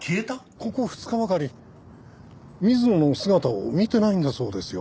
ここ２日ばかり水野の姿を見てないんだそうですよ。